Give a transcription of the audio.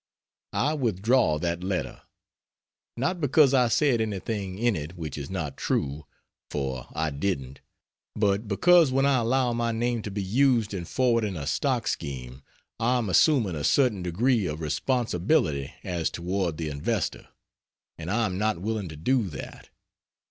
I withdraw that letter. Not because I said anything in it which is not true, for I didn't; but because when I allow my name to be used in forwarding a stock scheme I am assuming a certain degree of responsibility as toward the investor, and I am not willing to do that.